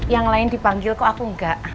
yang lain dipanggil kok aku enggak